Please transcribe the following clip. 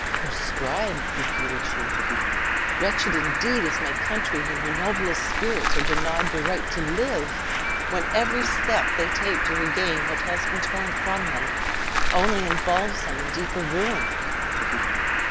"Proscribed!" repeated she; "wretched indeed is my country when her noblest spirits are denied the right to live! when every step they take to regain what has been torn from them, only involves them in deeper ruin!"